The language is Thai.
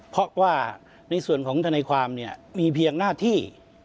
เพราะว่าในส่วนของธนายความเนี่ยมีเพียงหน้าที่